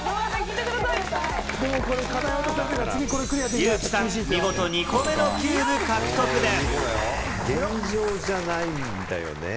ユウキさん、見事２個目のキューブ獲得です！